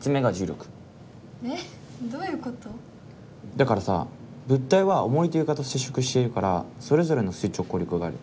だからさ物体はおもりと床と接触しているからそれぞれの垂直抗力がある。